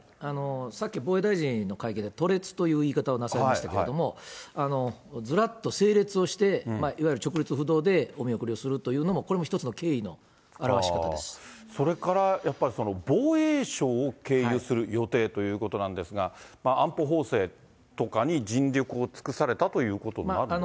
さっき防衛大臣の会見で、と列という言い方をなさいましたけれども、ずらっと整列をして、いわゆる直立不動でお見送りをするというのもこれも一つの敬意のそれから、やっぱり防衛省を経由する予定ということなんですが、安保法制とかに尽力を尽くされたということになるんですか。